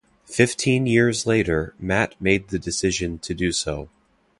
Fifteen years later, Matt made the decision to do so.